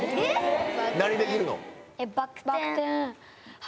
何できるの？